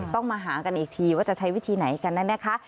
ต้องมาหากันอีกทีว่าจะใช้วิธีไหนกันนั้นนะคะ